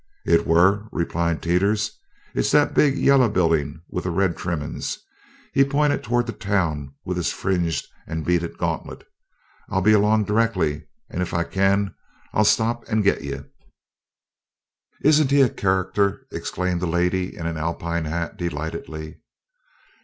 "It were," replied Teeters. "It's that big yella building with the red trimmin's." He pointed toward the town with his fringed and beaded gauntlet. "I'll be along directly, and if I kin, I'll stop and git you." "Isn't he a character!" exclaimed a lady in an Alpine hat, delightedly.